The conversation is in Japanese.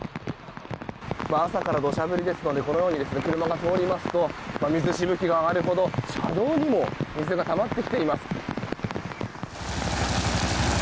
朝から土砂降りですのでこのように車が通りますと水しぶきが上がるほど車道にも水がたまってきています。